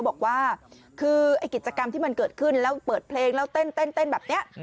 บอกว่าคือไอ้กิจกรรมที่มันเกิดขึ้นแล้วเปิดเพลงแล้วเต้นแบบนี้